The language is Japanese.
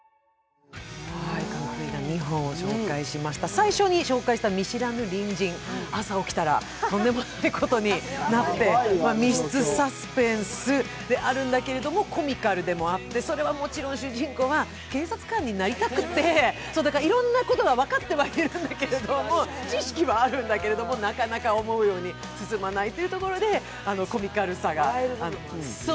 最初に紹介した「見知らぬ隣人」、朝起きたらとんでもないことになって、密室サスペンスであるんだけど、コミカルでもあって、それはもちろん、主人公は警察官になりたくて、いろんなことは分かってはいるんだけれどもなかなか思うように進まないというところでコミカルさが。